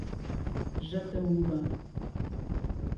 Jataúba